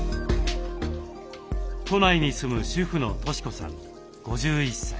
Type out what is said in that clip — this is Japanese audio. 都内に住む主婦の俊子さん５１歳。